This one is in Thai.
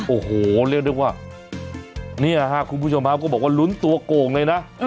โอ้โหเรียกได้ว่าเนี่ยครับคุณผู้ชมครับก็บอกว่าลุ้นตัวโก่งเลยนะ